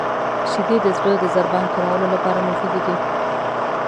• شیدې د زړه د ضربان کمولو لپاره مفیدې دي.